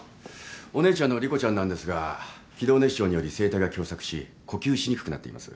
お姉ちゃんの莉子ちゃんなんですが気道熱傷により声帯が狭窄し呼吸しにくくなっています。